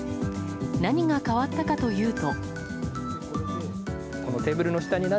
何が変わったかというと。